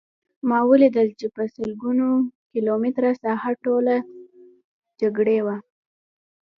ما ولیدل چې په سلګونه کیلومتره ساحه ټوله جګړې وه